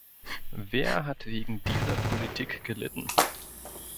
Wer hat wegen dieser Politik gelitten?